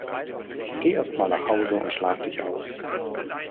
Geh erst mal nach Hause und schlaf dich aus!